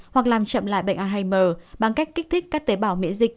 hoặc làm chậm lại bệnh alzheimer bằng cách kích thích các tế bào miễn dịch